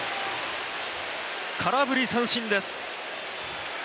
空振り三振です。